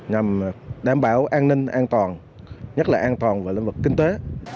nhằm đảm bảo an ninh an toàn nhất là an toàn về lĩnh vực kinh tế